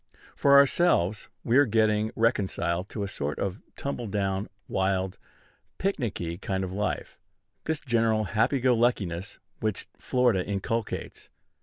For ourselves, we are getting reconciled to a sort of tumble down, wild, picnicky kind of life, this general happy go luckiness which Florida inculcates.